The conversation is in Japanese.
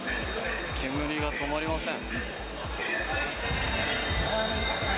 煙が止まりません。